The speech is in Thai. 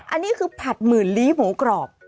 อันนี้คือผัดหมื่นลีหมูกรอบ